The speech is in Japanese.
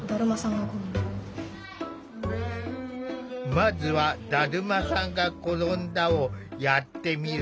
まずは「だるまさんがころんだ」をやってみる。